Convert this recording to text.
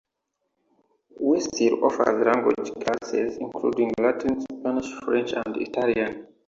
Westhill offers language classes including Latin, Spanish, French, and Italian.